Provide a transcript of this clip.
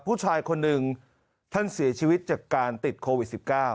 ผู้ชายคนหนึ่งท่านเสียชีวิตจากการติดโควิด๑๙